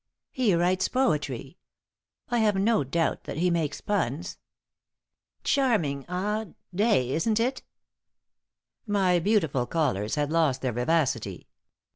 He writes poetry. I have no doubt that he makes puns. Charming ah day, isn't it?" My beautiful callers had lost their vivacity.